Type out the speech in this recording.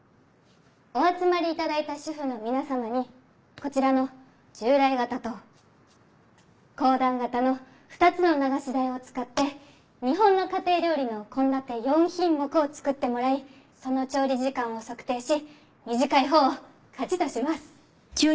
お集まり頂いた主婦の皆様にこちらの従来型と公団型の２つの流し台を使って日本の家庭料理の献立４品目を作ってもらいその調理時間を測定し短いほうを勝ちとします。